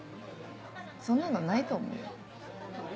そんなのないと思うよ。